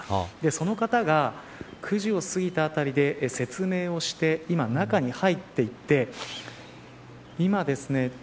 その方が９時を過ぎたあたりで説明をして今、中に入っていって今ですね